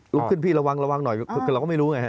ลุกขึ้นพี่ระวังระวังหน่อยคือเราก็ไม่รู้ไงฮะ